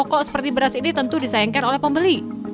pokok seperti beras ini tentu disayangkan oleh pembeli